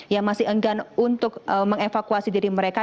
yang masih enggan untuk mengevakuasi diri mereka